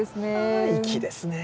あ粋ですね。